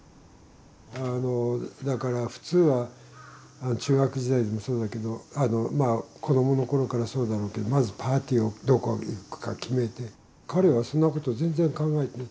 あのだから普通は中学時代でもそうだけどまあ子どもの頃からそうだろうけどまずパーティーをどこに行くか決めて彼はそんなこと全然考えてない。